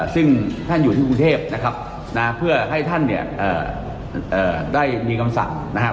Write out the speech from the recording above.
ซึ่งท่านอยู่ที่กรุงเทพนะครับเพื่อให้ท่านเนี่ยได้มีคำสั่งนะครับ